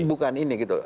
bukan ini gitu